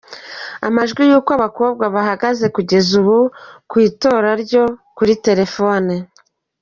Amajwi y’uko abakobwa bahagaze kugeza ubu ku itora ryo kuri telefone:.